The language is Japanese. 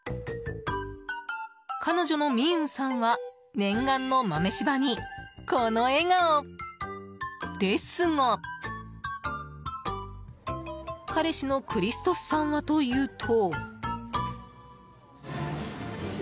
彼女のミンウさんは念願の豆柴に、この笑顔ですが彼氏のクリストスさんはというと。